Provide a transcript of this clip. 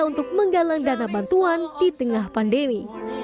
untuk menggalang dana bantuan di tengah pandemi